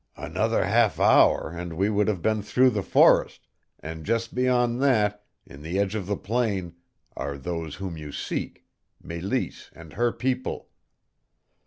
"Another half hour and we would have been through the forest, and just beyond that in the edge of the plain are those whom you seek, Meleese and her people.